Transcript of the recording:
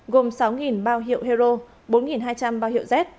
gồm sáu bao hiệu hero bốn hai trăm linh bao hiệu z